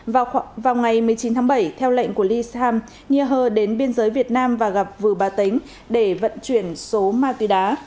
vào ngày một mươi chín tháng bảy theo lệnh của lee sam nhi hơ đến biên giới việt nam và gặp vừa bà tánh để vận chuyển số ma túy đá